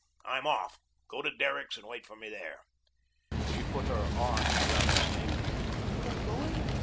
I'm off. Go to Derrick's and wait for me there." She put her arms around his neck. "You're going?"